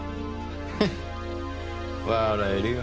フッ笑えるよ。